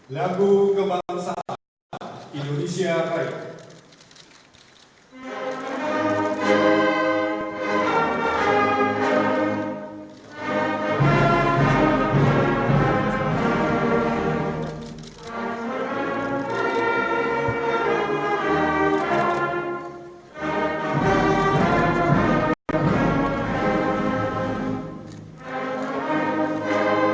lalu kebangsaan indonesia baik